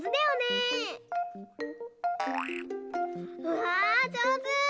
うわじょうず！